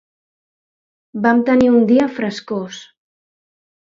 Vam tenir un dia frescós.